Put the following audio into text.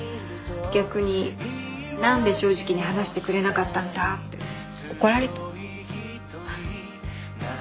逆になんで正直に話してくれなかったんだって怒られた。